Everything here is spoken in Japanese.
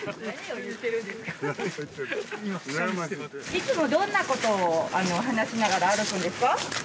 いつもどんなことを話しながら歩くんですか？